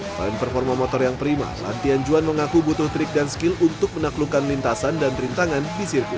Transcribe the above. selain performa motor yang prima lantian juan mengaku butuh trik dan skill untuk menaklukkan lintasan dan rintangan di sirkuit